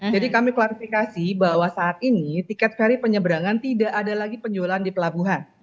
jadi kami klarifikasi bahwa saat ini tiket ferry penyeberangan tidak ada lagi penjualan di pelabuhan